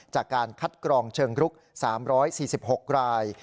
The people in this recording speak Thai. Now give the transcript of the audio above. จากการคัดกรองเชิงรุก๓๔๖ราย